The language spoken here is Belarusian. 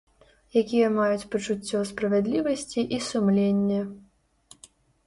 Якія маюць пачуццё справядлівасці і сумленне.